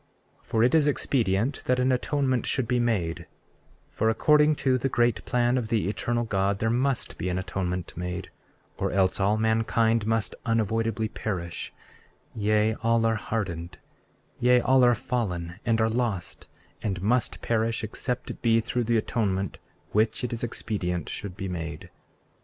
34:9 For it is expedient that an atonement should be made; for according to the great plan of the Eternal God there must be an atonement made, or else all mankind must unavoidably perish; yea, all are hardened; yea, all are fallen and are lost, and must perish except it be through the atonement which it is expedient should be made.